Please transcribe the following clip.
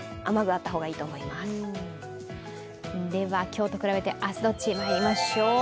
今日と比べて明日どっちにまいりましょう。